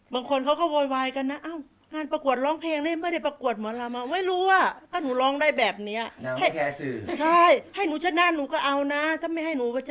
แต่เขาจะเป็นอย่างเดียวกับพี่